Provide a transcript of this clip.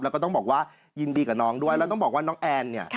แล้วก็ต้องบอกว่ายินดีกับน้องด้วยแล้วต้องบอกว่าน้องแอนเนี่ย